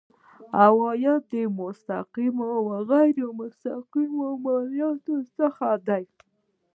عواید د مستقیمو او غیر مستقیمو مالیاتو څخه دي.